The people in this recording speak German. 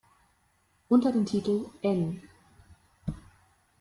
Unter dem Titel "N.